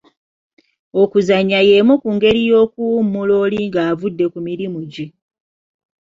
Okuzannya y’emu ku ngeri y’okuwummula oli ng’avudde ku mirimu gye.